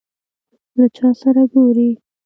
له چا سره ګورې ؟